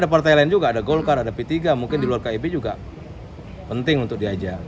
ada partai lain juga ada golkar ada p tiga mungkin di luar kib juga penting untuk diajak